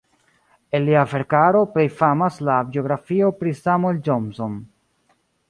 El lia verkaro plej famas la biografio pri Samuel Johnson.